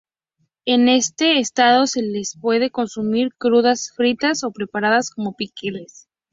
En este estado se las puede consumir crudas, fritas o preparadas como pickles.